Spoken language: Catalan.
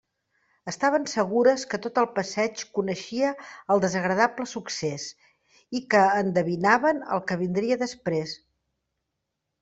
Estaven segures que tot el passeig coneixia el desagradable succés, i que endevinaven el que vindria després.